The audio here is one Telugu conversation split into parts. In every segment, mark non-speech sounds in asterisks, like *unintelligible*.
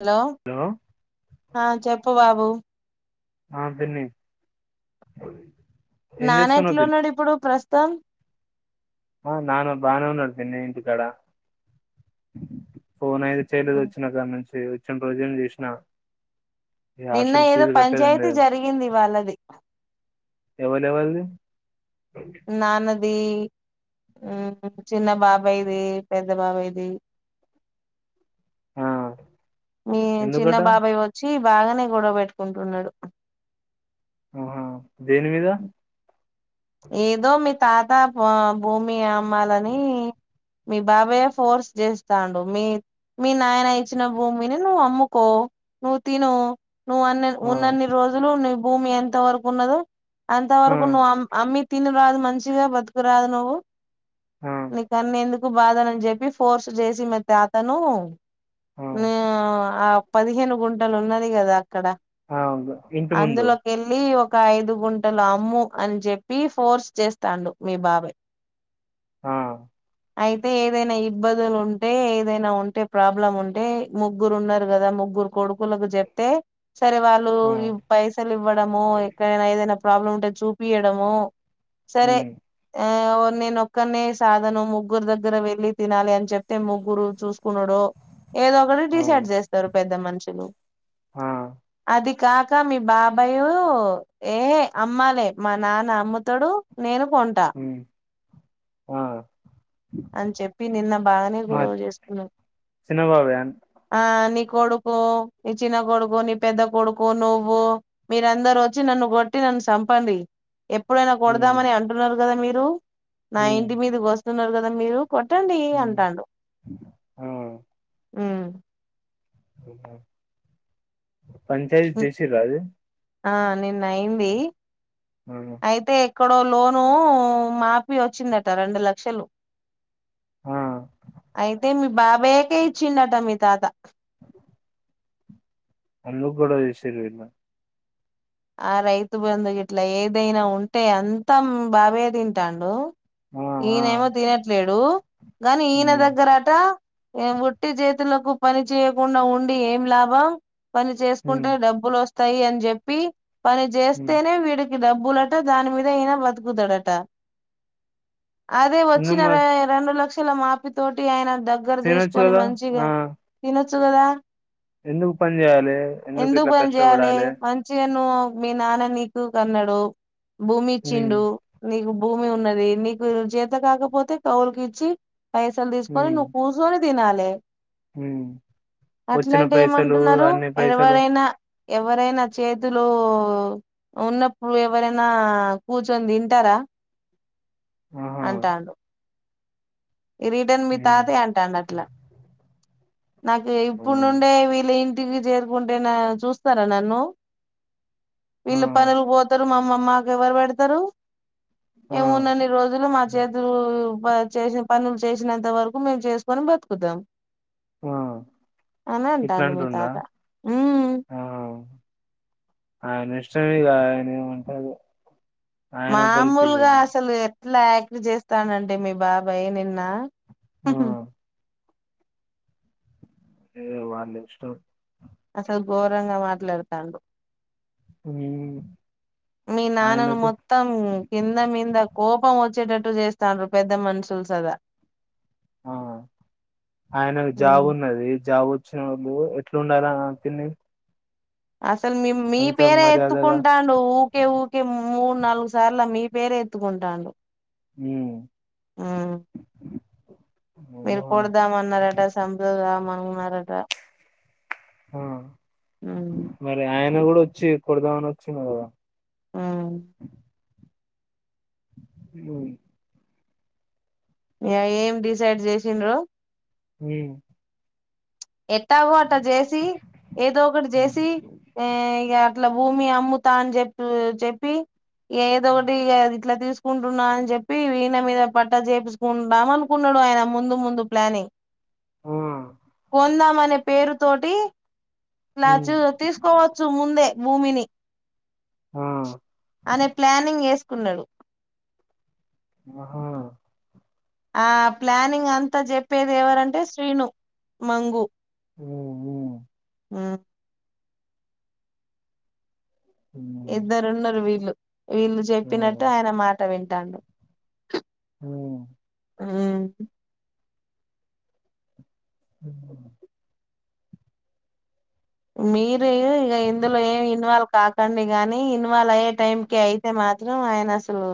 హలో అ చెప్పు బాబు ఆ పిన్ని ఏం చేస్తున్నావు నానాట్లో పిన్ని ఉన్నాడు ఇప్పుడు ప్రస్తు తం ఆ నాన్నా బానే ఉన్నాడు పిన్ని ఇంటి కడ ఫోన్ అయితే చేయలేదు వచ్చినాకడి నుంచి వచ్చిన రోజేమో చేసిన ఈ నిన్న హాస్టల్ ఏదో ఫీజు కట్టేది పంచాయతీ ఉండే జరిగింది వాళ్ళది ఎవార్ ఎవరిది నాన్న ది చిన్న బాబాయిది పెద్ద ద్ద బాబాయ్ ది ఆ మీ చిన్న ఎందుకట బాబాయ్ వచ్చి బాగానే గొడవ పెట్టుకుంటున్నాడు ఆహా దేని మీద ఏదో మి తాత భూమి అమ్మాలని మీ బాబాయే ఫోర్స్ చేస్థండు మీ మీ నాయన ఇచ్చిన భూమి నువ్వు అమ్ము కో నువ్వు తిను నువ్వు అన్ని ఆ ఉన్న అన్ని రోజులు ను భూమి ఎంత వరకు ఉన్నదో ఆ అంతవరకు ను అమ్ అమి తిని రాదు మంచిగా బతుకురాదు నువ్వు ఆ నీకు అని ఎందుకు బాధనని చెప్పి ఫోర్స్ చేసి మీ తాతను ఆ న ఆ పదిహేను గుంటలు ఉన్నది కదా ఇక్కడ ఆ ఇంటి ముందు అందులోకి వెళ్ళి ఒక ఓక అయిదుగుంట లు అమ్ము అని చెప్పి ఫోర్స్ చేస్తాండు మీ బాబాయ్ ఆ అయితే ఏదైనా ఇబ్బందులు ఉంటే ఏదైనా ఉంటే ప్రాబ్లం ఉంటే ముగ్గురు ఉన్నరు కదా ముగ్గురు కొడుకులకు చెప్తే సరే వాళ్ళు ఆ ఈ పైసలు ఇవ్వడము ఎక్కడైనా ఏదైనా ప్రాబ్లం ఉంటే చూపియడము సరే ఉమ్ ఆ నేనొక్కనే సాధను ముగ్గురు దగ్గర వెళ్ళి తినాలి అని చెప్తే ముగ్గురు చూ నుడు ఏదో ఒకటి ఆ డిసైడ్ చేస్తారు పెద్ద మనుషులు ఆ అది కాక మీ బాబాయ ఏ అమ్మాలే మా నాన్న అమ్ముతడు నేను కొంట ఉమ్ ఆ అని చెప్పి నిన్న బాగానే మా గొడవ చేసుకున్నాను చిన్నబాబాయ్ ఆ నీకు కొడుకు నీ చిన్న కొడుకు నీ పెద్ద కొడుకు నువ్వు మీరందరు వచ్చి నన్ను కొట్టి నన్ను చంపండి ఎప్పుడైనా ఉమ్ కొడదామని అంటున్నారు కదా మీరు *unintelligible* హలో నా ఉమ్ ఇంటి మీద కోస్తే *inaudible* మీరు కొట్టండి ఉమ్ అంటాండు ఆ ఆ ఉ *inaudible* పంచాయతీ చేేసి రా అది ఆహ్ నిన్న అయింది. ఆ అయితే ఇక్కడ లోను మాపి వచ్చిందట రెండు లక్షలు ఆ అయితే మీ బాబాయ్యకే ఇచ్చిండంటా మీ తాత. అందుకు గొడవ చేసిండ్రు వీళ్ళు. ఆహ్ రైతు బంధు ఇట్లా ఏదైనా ఉంటే అంతా మీ బాబాయి తింటాండు. ఆ ఆ ఈయనేమో తినట్లేడు. హలో గాని ఈయన హ్మ్ దగ్గరట ఏం ఒట్టి చేత్ తులకు పని చేయకుండా ఉండి ఏం లాభం. పని హ్మ్ చేసుకుంటే డబ్బులు వస్త్ వస్తాయి అని చెప్పి. పని హ్మ్ చేస్తేనే వీడిక్ డబ్బులట దాని మీద ఈయన బతుకుతాడట. అదే వచ్చిన ఎందుకమ్మా రె రెండు లక్షలు. ఇల మాపితోటి ఆయన దగ్గర తినొచ్చు తీసుకొని కదా ఆ మంచిగా తినచ్ కదా ఎందుకు పని చేయాలే ఎందుకు ఇట్లా కష్టపడాలే. నో మీ నాన్న నీకు కన్నాడు. భూమి హ్మ్ ఇచిండు నీకు భూమి ఉన్నది నీకు చేత కాకపోతే కవులుకి ఇచ్చి పైసలు తీసుకని హ్మ్ నువ్వు కూర్చకొని తినాలే హ్మ్ వచ్చిన అట్లాంటే పైసలు ఏమంటున్నారు అన్ని పైసలు ఎరవరైనా. ఎవరైనా చేత్ ఇందులో ఉన్నప్పుడు ఎవరైనా కూర్చొని తింటారా ఆహా అంటాండు. ఈ రిటర్న్ మీ హ్మ్ తాతే అంటాండు అట్లా. నాకు ఆ ఇప్పుడు నుండే వీళ్ళింటి టివికు చేరుకుంటే చూస్తారా నన్ను. ఆ వీళ్ళు పనులు పోతారు మామ్ మామ్ మాకు ఎవరు పెడతారు. ఆ మేమున్నన్ని రోజులు మా చేతులు బా చేసే పనుల్చేస్నంత వరకు మేమ్ చేస్కొని బతుకుతం ఆ అని అంటండు మీ ఇట్లాంటుండా తాత ఉమ్ ఆ గా ఎమో అంటా మాముల్గా అసలు ఎ ట్లా యాక్ట్ చేత్తాండంటే మీ బాబాయ్ నేన్ నా ఆ హుహు ఏ వాలిస్టం అసల్ ఘోరంగ మాట్లాడుతాండు హమ్ మీ నాన్నని మొత్తం కింద మింద కోపం ఒ చ్చేటట్టు చేస్తండ్రు పెద్ద మనుషులు సదా ఆ ఆయనకు జాబున్నది జాబ్ ఒచ్చిన ఎ ఎట్లుండాల తిన్న అసల్ మి మీ పేరే మర్యాదగా ఎత్తుకుంటాడు ఊకే ఊకే మూడు, నాలుగు సార్ల మీ రే ఎత్తుకుంటాండు ఉమ్ మీర్ కొడదామన్నారట సంపూ దాం న్నారట ఆ మరి ఆయ న్న గుడా ఒచ్చి కోడ్దామని ఒచ్చిండ్ గదా *inaudible* ఉమ్ మ్ ఇయ ఏం డిసైడ్ జేశిండ్రో ఉమ్ ఎట్టాగో అట్ట జేసి ఏదో ఒకటి ఉమ్, జేసి ఏ ఇగ ఇట్ల భూమి అమ్ముతాని జేప్ జేప్పి ఉమ్, ఏదోడి గా ఇట్లా తీస్ సుకుంటున్నా అని జెప్పి ఈనె మీద పట్ట చేపిచుకుంధాం అనుకున్నాడు ఆయన ముందు ముందు ప్లానింగ్ ఆ కొందామనె పేరు తోటి ఇలా ఉమ్ చూ తీస్కోవచ్చు ముందె భూమిని ఆ అనె ప్లానింగ్ ఏస్ కున్నడు ఆహా ఆ ప్లానింగ్ అంతా చెప్పేది ఎవరంటే శ్రీను మంగు ఓఓ మ్ ఉమ్, ఇద్దరు ఉన్నారు వీళ్ళు వీళ్ళు ఆ, చెప్పినట్టు ఆయన మాట విం ఇండ మ్ మ్ ఉమ్, మీరు ఇక ఇందులో ఏం ఇన్వాల్వ్ కా చెండి గానీ ఇన్వాల్వ్ అయ్యే టైంకి అయితే మాత్రం ఆయన అసలు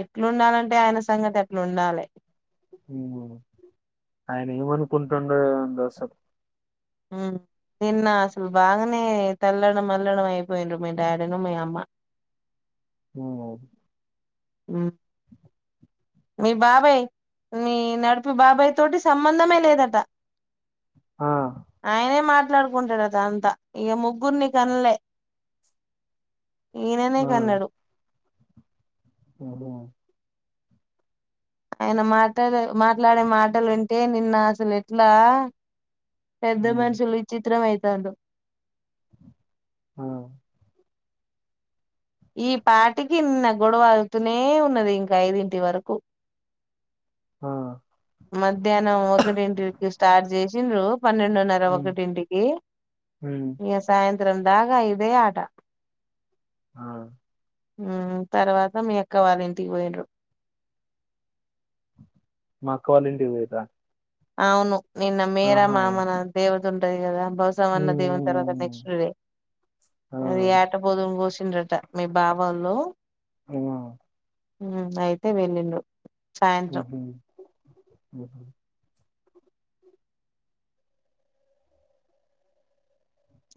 ఎ ఎట్లుండాలంటే ఆయన సంగతి అట్లా ఉండాలి అనుంటుండు అ సా మ్ నిన్న అసలు బాగానే తెల్లడం మల్లడం అయిపోయిండ్ర మీ డాడీను మీ అమ్మ మ్ మ్ మీ బాబాయ్ మీ నడుపి బాబాయ్ తోటి సంబంధమే లేదట ఆ ఆయనే మాట మాట్లాడుకుంటాడు అద అంతా ఇక ముగ్గురిని కనలే ఈయననే కన్నాడు ఓహో్ ఆయన మాట్లాడే మాట్లాడే మాటలు వింటే నిన్న అసలు ఎట్లా ఉమ్, పెద్దమనషులు విచత్రం అయి దండు ఆ ఈ పాటికిన్న గొడవ అగుతూనే ఉన్నది ఇంక యిదింటి వరకు ఆ మధ్యాహ్నం ఒకటింటికి స్టార్ట్ చేసి చేసిండ్రు జి పన్నెండున్నర ఉమ్, ఒకటింటికి ఉమ్, ఇగ సాయంత్రం ద్రందాగాయిద ఆట ఆ మ్ తర్వాత మీ ఎక్క వాళ్ళు ఇంటికి పోయిండ్రు మాక్కవాలింటి పోయింరా అవును నిన్న మేర మామన దేవత ఉంటాయి కదా బసవన్న దేవుని తర్వాత ఉమ్. నెక్స్ట్ ది ఆ అది యాటబోదుని కోసి చిండట మీ బావళ్ళు ఆ ఉ అయితే వెళ్ళిండు. ఉహు ఒకే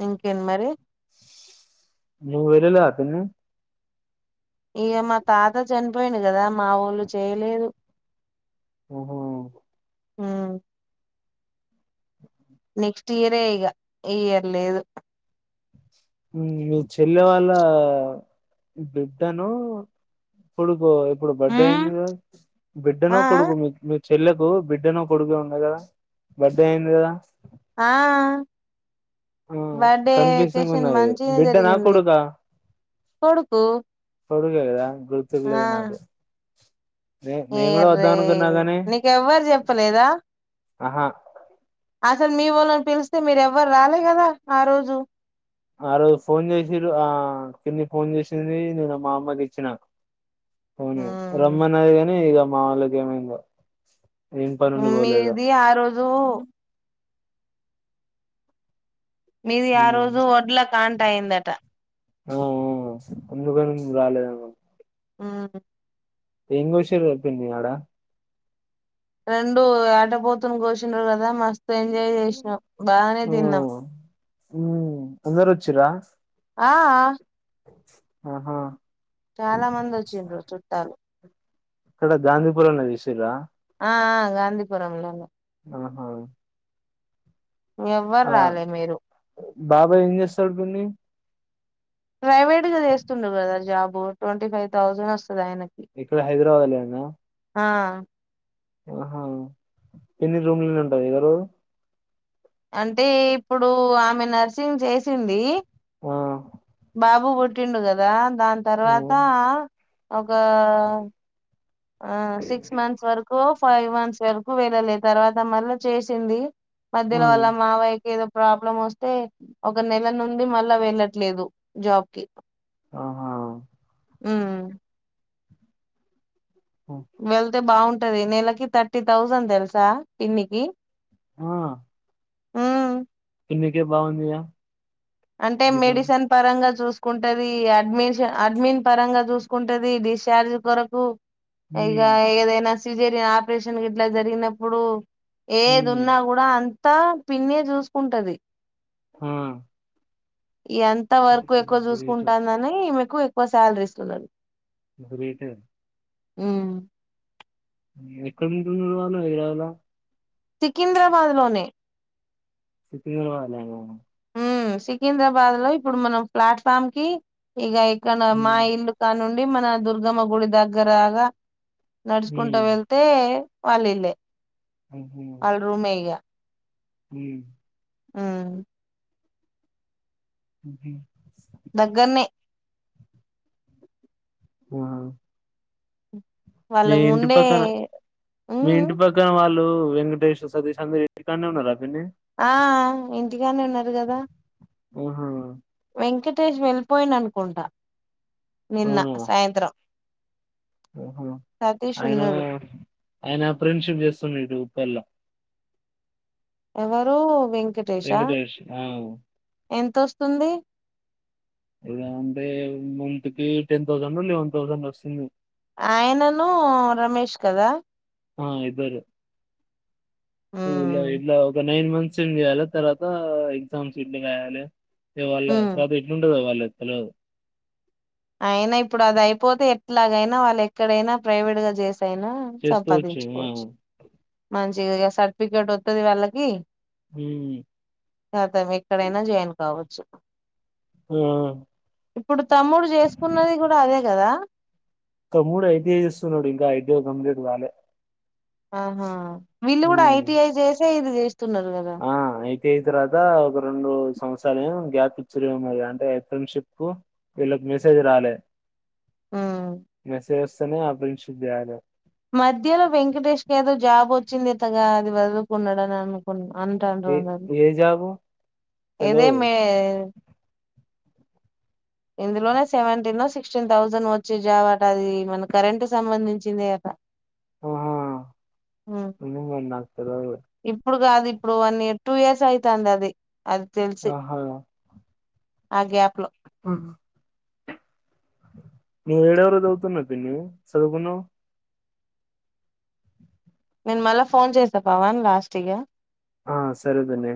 ఇంకేం మరి నువ్వు వేరేలా అతను ఇగ మా తాత చనిపోయిండు కదా మా వోళ్ళు చేయలేదు. ఉహు ఉ *inaudible* నెక్స్ట్ ఇయరే ఇగ ఈ ఇయర్ లేదు. మీ చెల్లె వాళ్ళ బిడ్డనో, కొడుకో ఇప్పుడు బర్త్డే అయింది కదా. ఆ బిడ్డనో కొడుకో మీ మీ చెల్లకు బిడ్డనో కొడుకో ఉండది కదా, బర్త్డే అయింది కదా. ఆ ఆ బర్త్డే కన్ఫ్యూజింగ్ వెకేషన్ ఉన్నది మంచిగా బిడ్డనా జరిగింది. కొడుకా కొడుకు కొడుకే గదా కూతురు ఆ లేదు నాకు నే నేను కూడా ఎర్రే వద్దాం అనుకున్నా నీకెవ్వరు చెప్పలేదా. అహా అస్సలు మీ వోళ్ళని పిలిస్తే మీరు ఎవ్వరు రాలే గదా ఆ రోజు. ఆ రోజు ఫోన్ చేసిరు, ఆ పిన్ని ఫోన్ చేసింది. నేను మా అమ్మకి ఇచ్చినా అవును ఉమ్ రమ్నన్నది ఇగ మావోళ్ళకి ఏమైందో ఏం పనుండి పోలేదా మీది ఆ రోజు మీది ఆ ఉమ్. రోజు వడ్ల కాంట అయ్యిందట. ఆ ఆ అందుకని రాలేదేమో ఆ ఇంగో విషయం చెప్పింది. ఆడ రెండు ఆటపోతుని కోసిండ్రు కదా మస్ ఎంజాయ్ చేసినాం బానే తిన్నాం. ఉ అందరూ వచ్చిరా ఆ ఆహా చాలా మంది వచ్చిండ్రు చుట్టాలు ఆడ గాంధీపురం చూసిండ్రా ఆ గాంధీపురం లోనే ఆహా ఎవ్వరు ఆ రాలే మీరు బాబాయ్ ఏం చేస్తాడు పిన్ని ప్రైవేట్గా చేస్తుండు కదా జాబు ట్వంటీ ఫైవ్ థౌజండ్ వస్తు ఇక్కడ హైదరాబాద్ లే నా ఆ ఆహా ఎన్ని రూమ్ల ఉంటాయి ఎవరేవరు అంటే ఇప్పుడు ఆమె నర్సింగ్ చేసింది ఆ బాబు పుట్టిండు కదా దాని ఓ. తర్వాత ఒక ఆ సిక్స్ మంత్స్ వరకు ఫైవ్ మంత్స్ వరకు వెళ్ళలే తర్వాత మళ్ళ చేసింది ఆ మధ్యలో వల్ల మావయకి ఏదో ప్రాబ్లం వస్తే ఒక నెల నుండి మళ్ళా వెళ్ళట్లేదు జాబ్ కి ఆహ ఉ ఆ వెళ్తే బాగుంటు టది నెలకి తర్టీ తౌసండ్ తెలుసా పిన్నికి ఆ ఆ పిన్నికే బాగుందిగా అంటే జీతం మెడిసిన్ పరంగా చూస్ కుంటది అడ్మిషన్ అడ్మిన్ పరంగా చూసుకుంటది డిశ్చార్జ్ కొరకు ఇగా హ్మ్ ఏదేనా సిజేరియన్ ఆపరేషన్ గీట్లా జరిగినప్పుడు ఏది హ్మ్ ఉన్నా కూడా అం త్త పిన్నే చూసుకుంటది హా ఎంత వరకు ఎక్కువ గ్రేట్ చూసుకుంటాందని ఎక్కువ ఎక్కువ శాలరీ ఇస్తున్నారు గ్రేట్ ఎ కదా ఉ ఎక్కడ ఉంటున్నారు వాలు హైదరావాద్ ల సికింద్రాబాద్ లోనే సికింద్రాబాద్ లన సికింద్రాబాద్ లో ఇప్పుడు మనం ప్లాట్ఫామ్ కి ఇగ మా హ్మ్ ఇల్లు కాను ఉం మేము మన దుర్గమ గుడి దగ్గరగా నడుచుకుంటా హ్మ్ వెళ్తే వలిల్లే అల రూమే ఇగా హ్ ఆ హ్ హ్ దగ్గర్నే వావ్ మీ వాళ్ళు ఇంటి ఉండే పక్కన మీ హ్మ్ ఇంటి పక్కన వాళ్ళు ళ్ళు వెంకటేష్ సతీష్ అందరూ ఇంటి కన్నె ఉన్నార ఆ ఇంటిగన్నె ఉన్నారు కదా ఆహా! వెంకట్ టెష్ వెళ్ళిపోయిండు అనుకుంటా నిన్న సాయంత్రం ఓహో సతీష్ ఆయన ఉన్నాడు ఆయన ఫ్రెండ్షిప్ చేస్తుండు ఇటుప్పల్లా ఎవరు వెం వెంకటేష్ ఆఉ ఎంతొస్తుంది ఇద అంటే మంత్ కి టెన్ థౌసండో లెవన్ థౌసండో వస్తుంది ఆయనను రమేష్ కదా ఆ ఇద్దరు హ్మ్ *unintelligible* నైన్ మంత్స్ ఏం చేయాలి తర్వాత ఎగ్జామ్స్ *unintelligible* రాయాలి ఇ హా వాళ్ళ హ్మ్ తర్వాత ఎట్లుంటదో వాళ్ళది తెల్వదు అయినా ఇప్పుడు అది అయిపోతే ఎట్లాగైనా వాళ్ళు ఎక్కడైనా ప్రైవేట్ గా చేస్ కొనైన చేసుకోవచ్చు. ఆ! సంపాదించుకోవచ్చు మంచి ఇగ సార్టిఫికేట్ ఒత్తది వాళ్ళకి హ్మ్. కాతం ఎక్కడైనా జాయిన్ కావచ్చు ఆ! ఇప్పుడు తమ్ముడు చేస్ కూడా అదే కదా తమ్ముడు ఐ టీ ఐ చేస్తున్నాడు ఇంకా ఐ టీ ఐ కంప్లీట్ కాలే ఆహా వీళ్ళు కూడా ఐ హ్మ్. టీ ఐ చేసే ఇది చేస్తున్నారు కదా ఆ ఐ టి ఐ అయింతర్వాత ఒక రెండు సంవత్స రాలు గ్యాప్ ఇచ్చుడెమో మరి అంటే ఫ్రెండ్షిప్ కు వీళ్ళకి మెసేజ్ రాలే ఉమ్ మే సే స్ ఇతను ఆ ఫ్రెండ్షిప్ బ్యాండ్ మధ్యలో వెంకటేష్ కు ఏదో జాబ్ వోచ్చింది ఇతగాడు అది వదులుకున్నాడని అనుకున్నా ఏ ఏ జబో ఏదే మే ఇందులోనే సెవెంటీన్ లో సిక్స్టీన్ థౌసండ్ వచ్చే చావాట అది మన కరెంట్ సంబంధించింది అట ఆహా ఉమ్ ఇం మందతద అ ఇప్పుడు కాది ఇప్పుడు వన్ ఇయర్ టూ ఇయర్స్ అయితుంది అది అది తెలిసి ఆహా! ఆ గ్యాప్ లో ఆ నవ ఏడ వరు దవుతునత న సగకుణ నేను మళ్ళా ఫోన్ చేసా పవన్ లాస్ట్ ఇయ ఆ సరేదనేే